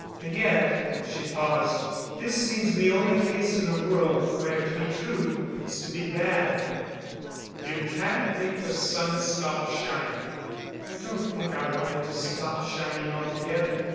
And yet"—she paused—"this seems the only case in the world where to be true is to be bad." "You can't make the sun stop shining." "I don't think I want it to stop shining altogether.